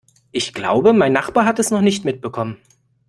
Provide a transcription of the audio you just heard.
Ich glaube, mein Nachbar hat es noch nicht mitbekommen.